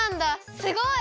すごい！